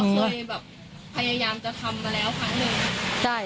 เห็นบอกว่าเคยพยายามจะทำมาแล้วครั้งเรื่องนี้